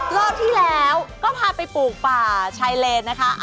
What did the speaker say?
รอบที่แล้วก็พาไปปลูกป่าชายเลนนะคะ